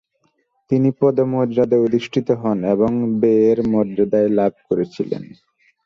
তিনি পদমর্যাদায় অধিষ্ঠিত হন এবং বেয়ের মর্যাদায় লাভ করেছিলেন ।